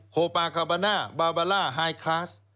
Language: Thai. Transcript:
โอปาคาบาน่าบาบาล่าไฮคลาส